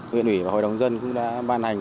huyện ủy và hội đồng dân cũng đã ban hành